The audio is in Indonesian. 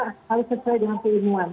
apa yang kita lakukan dengan keinginan